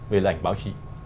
về là ảnh báo chí